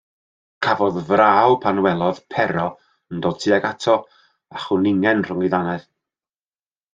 Cafodd fraw pan welodd Pero yn dod tuag ato a chwningen rhwng ei ddannedd.